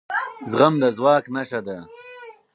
زغم د ځواک نښه ده